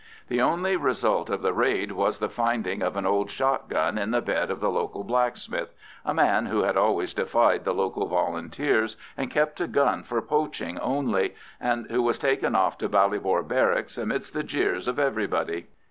The only result of the raid was the finding of an old shot gun in the bed of the local blacksmith, a man who had always defied the local Volunteers, and kept a gun for poaching only, and who was taken off to Ballybor Barracks amidst the jeers of everybody.